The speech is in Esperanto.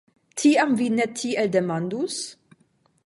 Tiam vi ne tiel demandus?